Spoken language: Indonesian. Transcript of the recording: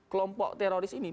kelompok teroris ini